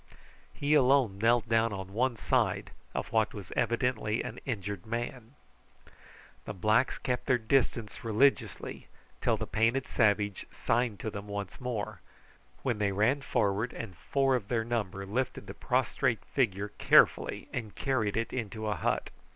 He alone knelt down on one side of what was evidently an injured man. The blacks kept their distance religiously till the painted savage signed to them once more, when they ran forward and four of their number lifted the prostrate figure carefully and carried it into a hut.